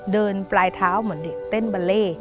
เดินปลายเท้าเหมือนเด็กเต้นบาเล่